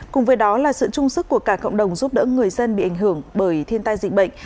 cùng với đó là sự trung sức của cả cộng đồng giúp đỡ người dân bị ảnh hưởng bởi thiên tai dịch bệnh